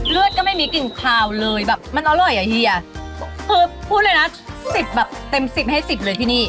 ก็ไม่มีกลิ่นคาวเลยแบบมันอร่อยอ่ะเฮียคือพูดเลยนะสิบแบบเต็มสิบให้สิบเลยที่นี่